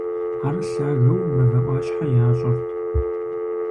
Ар лъагэу мывэ Ӏуащхьэ ящӀырт.